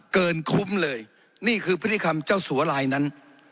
เกินคุ้มเลยนี่คือพฤติกรรมเจ้าสัวลายนั้น